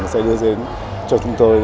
sẽ đưa đến cho chúng tôi